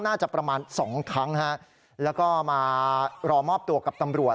น่าจะประมาณสองครั้งฮะแล้วก็มารอมอบตัวกับตำรวจ